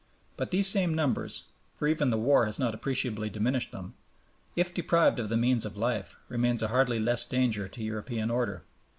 But these same numbers for even the war has not appreciably diminished them if deprived of the means of life, remain a hardly less danger to European order.